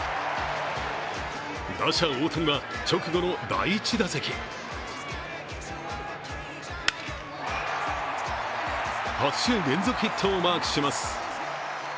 打者・大谷は直後の第１打席８試合連続ヒットをマークします。